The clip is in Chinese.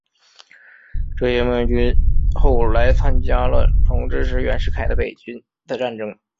这些黔军后来参加了同支持袁世凯的北军的战争。